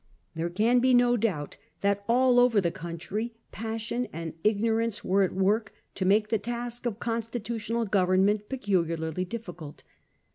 There can be no doubt that all over the coun try passion and ignorance were at work to make the task of constitutional government peculiarly difficult.